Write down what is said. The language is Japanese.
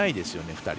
２人。